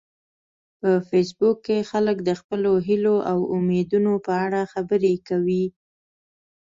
په فېسبوک کې خلک د خپلو هیلو او امیدونو په اړه خبرې کوي